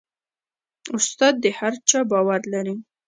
استاد د هر چا باور لري.